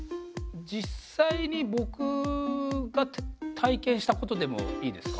実際に僕が体験したことでもいいですか？